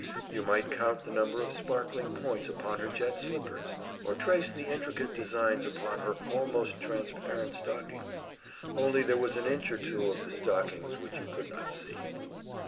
You might count the number of sparkling points upon her jet slippers, or trace the intricate designs upon her almost transparent stockings only there was an inch or two of the stockings which you could not see.